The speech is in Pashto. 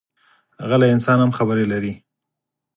غلی انسان هم خبرې لري